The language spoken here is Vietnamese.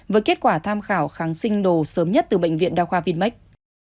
với kết quả tham khảo kháng sinh đồ sớm nhất từ bệnh viện đa khoa vinmec